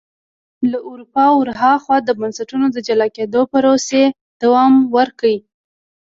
له اروپا ور هاخوا د بنسټونو د جلا کېدو پروسې دوام ورکړ.